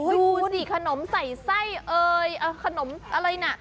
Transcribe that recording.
กูดิขนมใส้ไส้ขนมอะไรน่ะ